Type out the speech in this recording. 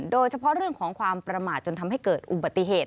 โดยเฉพาะเรื่องของความประมาทจนทำให้เกิดอุบัติเหตุ